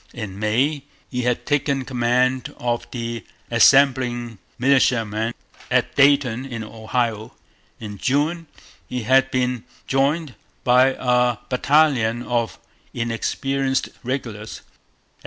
In May he had taken command of the assembling militiamen at Dayton in Ohio. In June he had been joined by a battalion of inexperienced regulars.